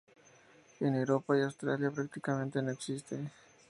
En Europa y Australia prácticamente no existe.